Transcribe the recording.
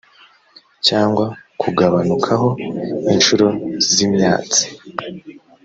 cyangwa kugabanukaho inshuro z imyatsa